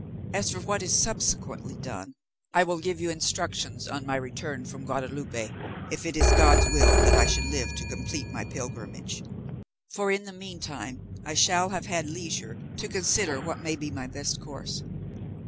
As for what is subsequently done, I will give you instructions on my return from Guadalupe, if it is God's will that I should live to complete my pilgrimage, for in the meantime I shall have had leisure to consider what may be my best course.